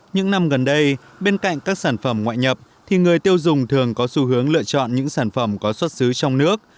những năm gần đây bên cạnh các sản phẩm ngoại nhập thì người tiêu dùng thường có xu hướng lựa chọn những sản phẩm có xuất xứ trong nước